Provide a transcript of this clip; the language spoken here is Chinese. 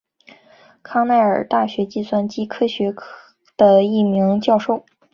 康奈尔大学计算机科学的一名教授。